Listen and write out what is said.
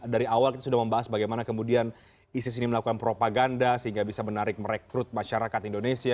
dari awal kita sudah membahas bagaimana kemudian isis ini melakukan propaganda sehingga bisa menarik merekrut masyarakat indonesia